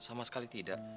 sama sekali tidak